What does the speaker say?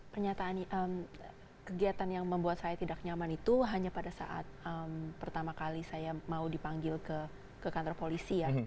pernyataan yang membuat saya tidak nyaman itu hanya pada saat pertama kali saya mau dipanggil ke kantor polisi ya